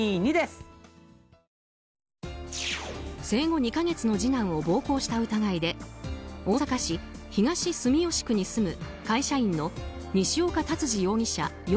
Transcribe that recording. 生後２か月の次男を暴行した疑いで大阪市東住吉区に住む会社員の西岡竜司容疑者